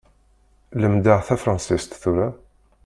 Lemmdeɣ tafransist tura.